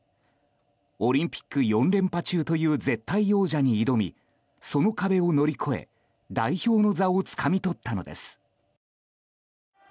オリンピック４連覇中という絶対王者に挑みその壁を乗り越え、代表の座をつかみ取ったのです。